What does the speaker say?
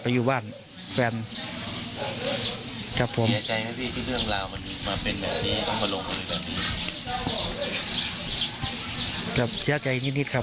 พี่ก็ลองไป